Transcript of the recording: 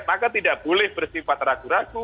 maka tidak boleh bersifat ragu ragu